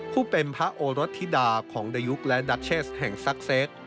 ผู้เป็นพระโอรสธิดาของดายุคและดัชเชสแห่งซักเซต